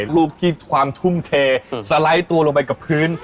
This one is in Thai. รูปที่ความทุ่มเทสไลด์ตัวลงไปกับพื้น